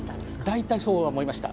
大体そう思いました。